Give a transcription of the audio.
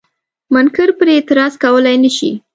منکر پرې اعتراض کولای نشي.